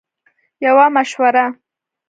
- یوه مشوره 💡